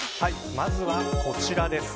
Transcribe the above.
まずはこちらです。